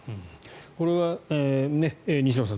これは西野さん